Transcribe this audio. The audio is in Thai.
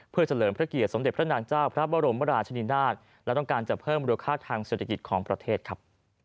เพื่อเฉลิมพระเกียรติสมเด็จพระนางเจ้าพระบรมราชนีนาฏและต้องการจะเพิ่มมูลค่าทางเศรษฐกิจของประเทศครับ